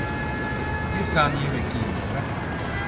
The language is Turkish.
Bir saniye bekleyin lütfen.